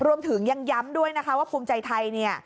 รวมถึงยังย้ำด้วยนะคะว่าภูมิใจไทยเนี่ย